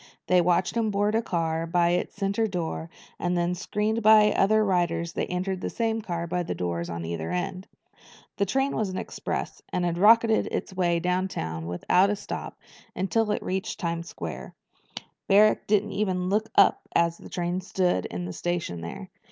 They watched him board a car by its center door and then, screened by other riders, they entered the same car by the doors at either end. The train was an express, and it rocketed its way downtown without a stop until it reached Times Square. Barrack didn't even look up as the train stood in the station there.